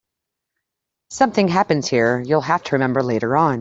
Something happens here you'll have to remember later on.